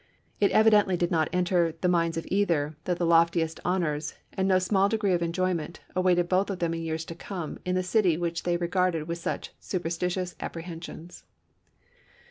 It evidently did not enter the minds of either that the loftiest honors and no small degree of enjoy ment awaited both of them in years to come in the city which they regarded with such supersti tious apprehensions.